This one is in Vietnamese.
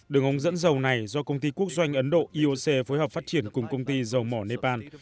đường ống dẫn dầu này do công ty quốc doanh ấn độ ioc phối hợp phát triển cùng công ty dầu mỏ nepal